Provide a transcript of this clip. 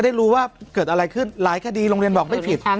ได้รู้ว่าเกิดอะไรขึ้นหลายคดีโรงเรียนบอกไม่ผิด